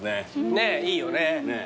ねえいいよね。